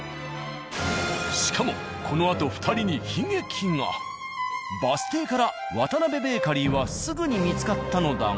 しかもバス停から「渡邊ベーカリー」はすぐに見つかったのだが。